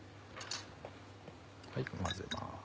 混ぜます。